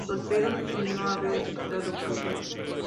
Solteros y no haber estado casados.